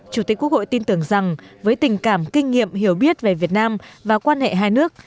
chủ tịch quốc hội tin tưởng rằng với tình cảm kinh nghiệm hiểu biết về việt nam và quan hệ hai nước